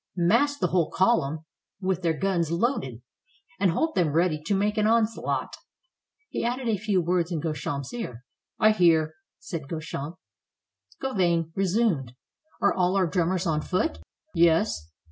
"Mass the whole column with their guns loaded, and hold them ready to make an onslaught." He added a few words in Guechamp's ear. "I hear," said Guechamp. Gauvain resumed, "Are all our drummers on foot?" "Yes."